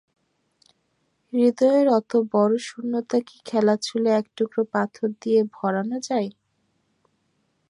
হৃদয়ের অত বড়ো শূন্যতা কি খেলাচ্ছলে এক টুকরো পাথর দিয়ে ভরানো যায়?